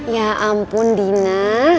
ya ampun dina